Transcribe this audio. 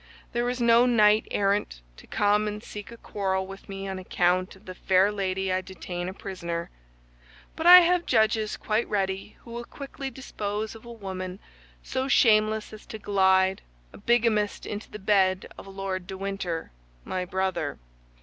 There is no knight errant to come and seek a quarrel with me on account of the fair lady I detain a prisoner; but I have judges quite ready who will quickly dispose of a woman so shameless as to glide, a bigamist, into the bed of Lord de Winter, my brother.